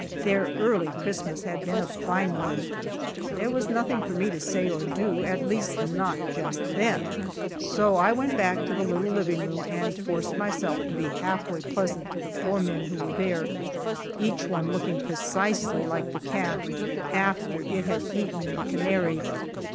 Their early Christmas had been a fine one. There was nothing for me to say or do at least not just then so I went back to the little living room and forced myself to be halfway pleasant to the four men who were there, each one looking precisely like the cat after it had eaten the canary!